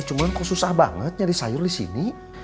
cuman kok susah banget nyari sayur disini